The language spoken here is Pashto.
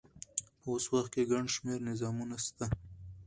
په اوس وخت کښي ګڼ شمېر نظامونه سته.